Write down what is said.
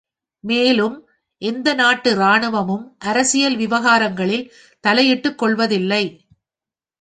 மேலும், எந்த நாட்டு இராணுவமும் அரசியல் விவகாரங்களில் தலையிட்டுக் கொள்வதில்லை.